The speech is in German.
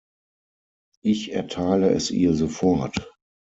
Ich erteile es ihr sofort.